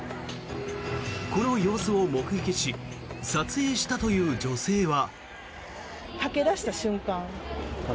この様子を目撃し撮影したという女性は。